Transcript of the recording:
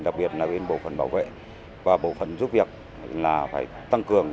đặc biệt là bên bộ phận bảo vệ và bộ phận giúp việc là phải tăng cường